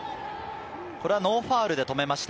これはノーファウルで止めました。